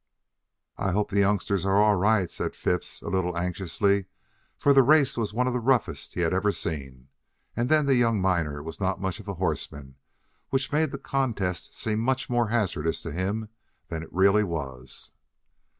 "I hope the youngsters are all right," said Phipps a little anxiously, for the race was one of the roughest he had ever seen, and then the young miner was not much of a horseman, which made the contest seem much more hazardous to him than it really was.